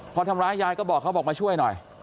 พอทำร้ายยายก็บอกเขาบอกมาช่วยหน่อย